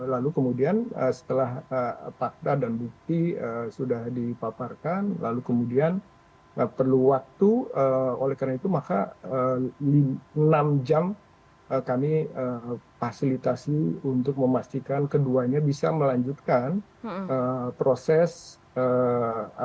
lalu kemudian setelah fakta dan bukti sudah dipaparkan lalu kemudian perlu waktu oleh karena itu maka enam jam kami fasilitasi untuk memastikan keduanya bisa melanjutkan proses penyelidikan